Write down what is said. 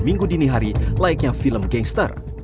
minggu dini hari laiknya film gangster